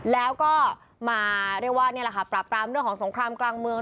แล้วก็มาปรับปรามเรื่องของสงครามกลางเมือง